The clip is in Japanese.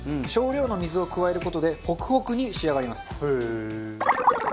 少量の水を加える事でホクホクに仕上がります。